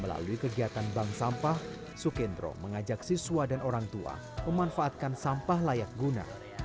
melalui kegiatan bank sampah sukendro mengajak siswa dan orang tua memanfaatkan sampah layak guna